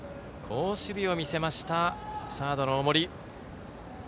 好守備を見せましたサードの大森。